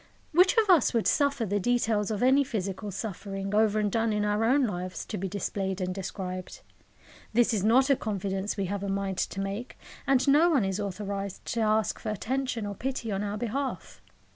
Which of us would suffer the details of any physical suffering, over and done in our own lives, to be displayed and described? This is not a confidence we have a mind to make; and no one is authorised to ask for attention or pity on our behalf.